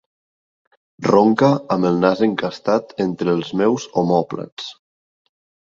Ronca amb el nas encastat entre els meus omòplats.